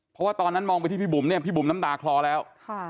เพราะว่าตอนนั้นมองไปที่พี่บุ๋มเนี่ยพี่บุ๋มน้ำตาคลอแล้ว